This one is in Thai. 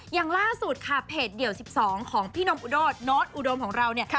อย่างล่าสุดค่ะเพจเดี่ยว๑๒ของพี่นมอุดโน้ตอุดมของเราเนี่ย